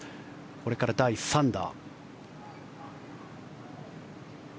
これから第３打。